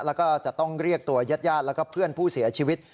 แล้วก็จะต้องเรียกตัวยาดแล้วก็เพื่อนผู้เสียชีวิต